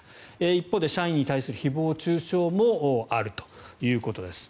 一方で社員に対する誹謗・中傷もあるということです。